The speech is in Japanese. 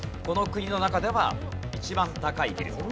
この国の中では一番高いビル。